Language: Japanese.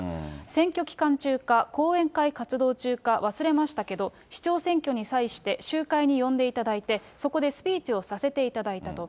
選挙期間中か、後援会活動中か忘れましたけど、市長選挙に際して、集会に呼んでいただいて、そこでスピーチをさせていただいたと。